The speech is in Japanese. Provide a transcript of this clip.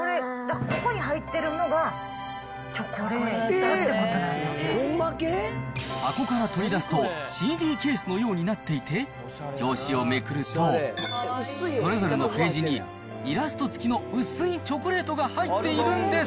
ここに入ってるのが、箱から取り出すとＣＤケースのようになっていて、表紙をめくると、それぞれのページにイラスト付きの薄いチョコレートが入っているんです。